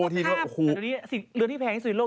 อนี่เรือนที่แพงที่สุดในโลก